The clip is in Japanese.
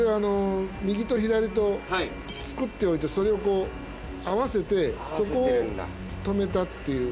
右と左と造っておいてそれをこう合わせてそこを留めたっていう。